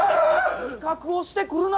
威嚇をしてくるな！